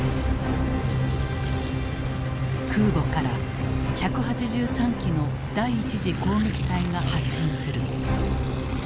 空母から１８３機の第一次攻撃隊が発進する。